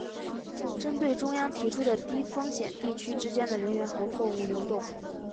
针对中央提出的低风险地区之间的人员和货物流动